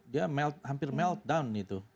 dia hampir meledak